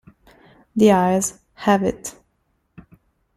The Eyes Have It